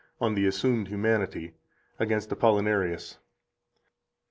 597 and 603), On the Assumed Humanity, against Apollinarius (p.